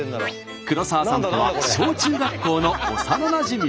黒沢さんとは小中学校の幼なじみです。